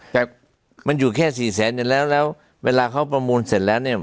แต่มันอยู่แค่สี่แสนอยู่แล้วแล้วเวลาเขาประมูลเสร็จแล้วเนี่ย